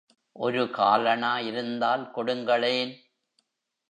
ஒரு காலணா இருந்தால் கொடுங்களேன்.